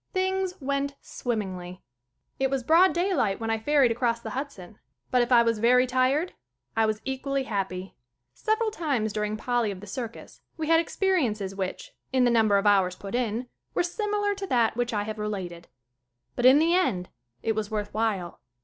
Things went swimmingly. It was broad day light when I ferried across the Hudson but if I was very tired I was equally happy. Several times during "Polly of the Circus" we had experiences which, in the number of hours put in, were similar to that which I have related. But in the end it was worth while.